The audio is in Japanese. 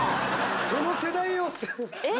その世代をうわ！